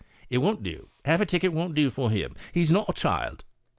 "It won't do; half a ticket won't do for him — he's not a child."